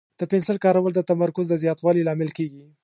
د پنسل کارول د تمرکز د زیاتوالي لامل کېږي.